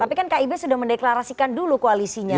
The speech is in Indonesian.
tapi kan kib sudah mendeklarasikan dulu koalisinya